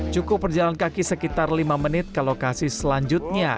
cukup berjalan kaki sekitar lima menit ke lokasi selanjutnya